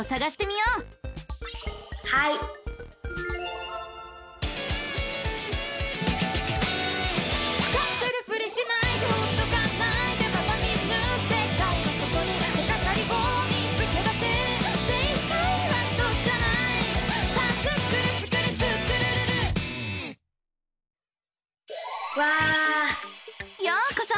ようこそ！